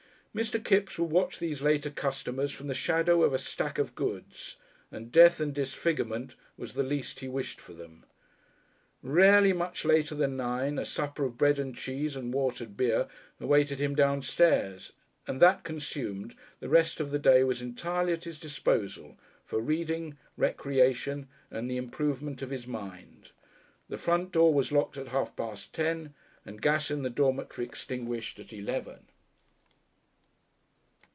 Mr. Kipps would watch these later customers from the shadow of a stack of goods, and death and disfigurement was the least he wished for them. Rarely much later than nine, a supper of bread and cheese and watered beer awaited him upstairs, and, that consumed, the rest of the day was entirely at his disposal for reading, recreation, and the improvement of his mind.... The front door was locked at half past ten, and the gas in the dormitory extinguished at eleven.